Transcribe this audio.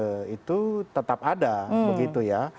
ketum kepentingan itu tetap ada begitu ya